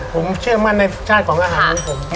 ผมเชื่อมั่นไช่ของอาหารวิวผม